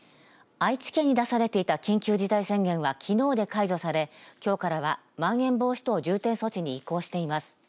愛知県に出されていた緊急事態宣言はきのうで解除され、きょうからはまん延防止等重点措置に移行しています。